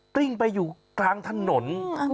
กลิ้งไปอยู่กลางถนน